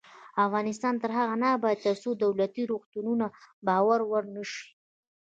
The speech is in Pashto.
افغانستان تر هغو نه ابادیږي، ترڅو دولتي روغتونونه د باور وړ نشي.